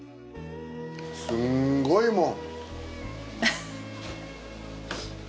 すごいもう。